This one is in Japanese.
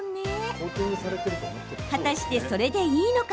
果たして、それでいいのか。